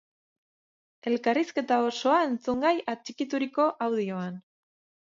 Elkarrizketa osoa entzungai atxikituriko audioan!